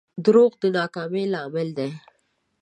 دروغ د ناکامۍ لامل دي.